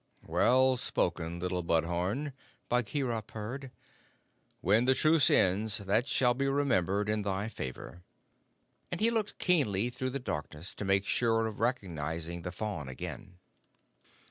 "Well spoken, little bud horn," Bagheera purred. "When the Truce ends that shall be remembered in thy favor," and he looked keenly through the darkness to make sure of recognizing the fawn again.